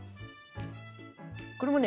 これもね